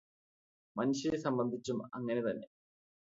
മനുഷ്യരെ സംബന്ധിച്ചും അങ്ങനെത്തന്നെ